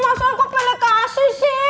masa kok pilih kasih sih